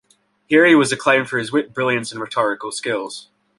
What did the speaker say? Here he was acclaimed for his wit, brilliance, and rhetorical skills.